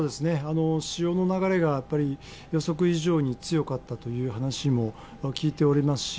潮の流れが予測以上に強かったという話も聞いておりますし